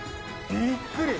びっくり。